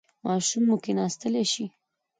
ماشوم مو کیناستلی شي؟